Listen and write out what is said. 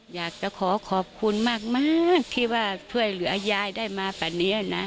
อยากจะขอขอบคุณมากที่ว่าช่วยเหลือยายได้มาปะนี้นะ